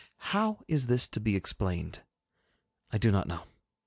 How is this to be explained? I do not know.